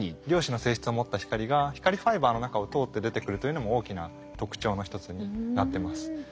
量子の性質を持った光が光ファイバーの中を通って出てくるというのも大きな特長の一つになってます。